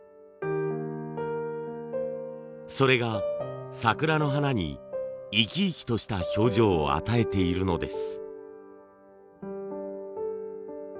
それが桜の花に生き生きとした表情を与えているのです。